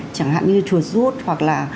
chẳng hạn như chuột rút hoặc là